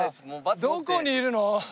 どこにいるの？